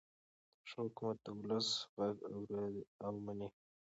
ښه حکومت د ولس غږ اوري او مني.